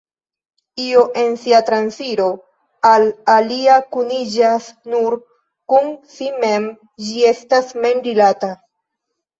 Io en sia transiro al alia kuniĝas nur kun si mem, ĝi estas mem-rilata.